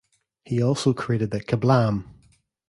He also created the KaBlam!